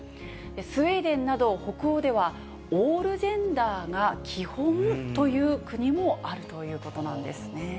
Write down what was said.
スウェーデンなど北欧では、オールジェンダーが基本という国もあるということなんですね。